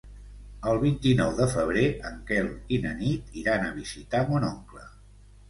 El vint-i-nou de febrer en Quel i na Nit iran a visitar mon oncle.